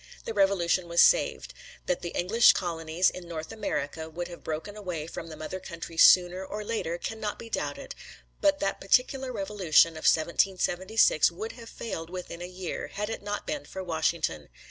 The Revolution was saved. That the English colonies in North America would have broken away from the mother country sooner or later cannot be doubted, but that particular Revolution Of 1776 would have failed within a year, had it not been for Washington.